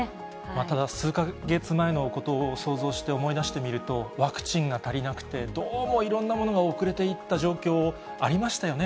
ただ、数か月前のことを想像して思い出してみると、ワクチンが足りなくて、どうもいろんなものが遅れていった状況、ありましたよね。